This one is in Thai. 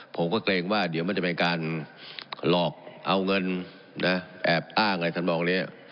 ผมก็เกรงว่าเดี๋ยวมันจะเป็นการหลอกเอาเงินนะแอบอ้างอะไรทั้งหมดอย่างเนี้ย